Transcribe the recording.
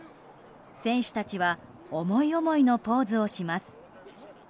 選手たちは思い思いのポーズをします。